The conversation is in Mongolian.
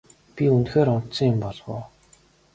Би үнэхээр унтсан юм болов уу?